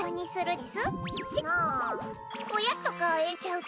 おやつとかええんちゃうか？